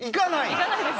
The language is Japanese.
行かないです